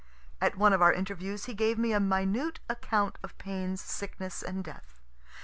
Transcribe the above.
At one of our interviews he gave me a minute account of Paine's sickness and death.